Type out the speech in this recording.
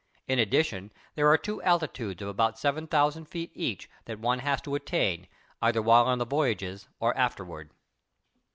In addition, there are two altitudes of about seven thousand feet each that one has to attain either while on the voyages or afterward.